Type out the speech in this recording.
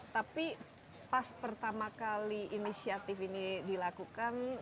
tapi pas pertama kali inisiatif ini dilakukan